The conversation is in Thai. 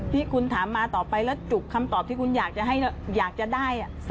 ที่คุณถามมาต่อไปแล้วจุกคำตอบที่คุณอยากจะได้